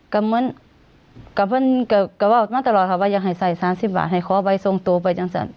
ก็เหมือนก็ว่ามาตลอดค่ะว่าอย่างให้ใส่สามสิบบาทให้เค้าเอาไปทรงตัวไปจังเซิน